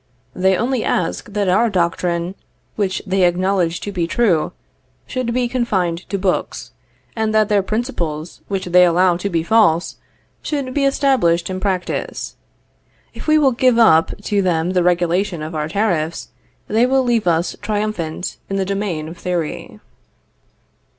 They only ask that our doctrine, which they acknowledge to be true, should be confined to books; and that their principles, which they allow to be false, should be established in practice. If we will give up to them the regulation of our tariffs, they will leave us triumphant in the domain of theory.